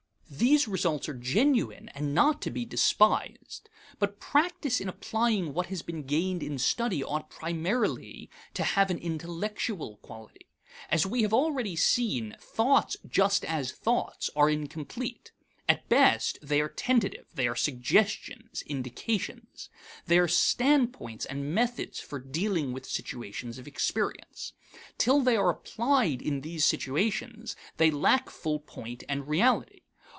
These results are genuine and not to be despised. But practice in applying what has been gained in study ought primarily to have an intellectual quality. As we have already seen, thoughts just as thoughts are incomplete. At best they are tentative; they are suggestions, indications. They are standpoints and methods for dealing with situations of experience. Till they are applied in these situations they lack full point and reality.